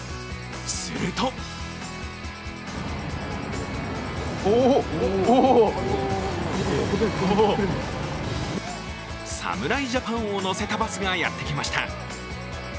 すると侍ジャパンを乗せたバスがやってきました。